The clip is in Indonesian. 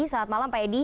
selamat malam pak edy